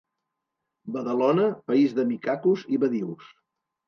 Badalona, país de micacos i badius.